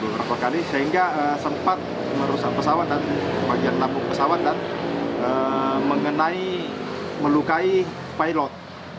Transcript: sehingga sempat merusak pesawat dan bagian lapung pesawat dan mengenai melukai pilot